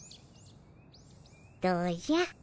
どうじゃ？